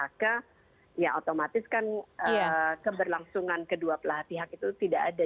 maka ya otomatis kan keberlangsungan kedua belah pihak itu tidak ada